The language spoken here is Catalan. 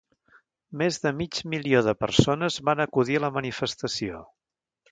Més de mig milió de persones van acudir a la manifestació.